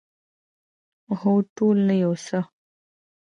هو، ټولو ته یو څه